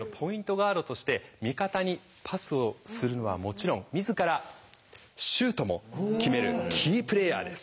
ガードとして味方にパスをするのはもちろん自らシュートも決めるキープレーヤーです。